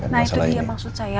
nah itu dia maksud saya